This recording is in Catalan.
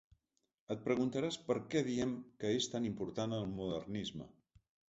Et preguntaràs per què diem que és tan important el modernisme.